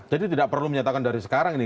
jadi tidak perlu menyatakan dari sekarang ini